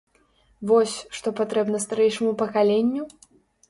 Вось, што патрэбна старэйшаму пакаленню?